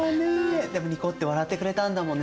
でもニコッて笑ってくれたんだもんね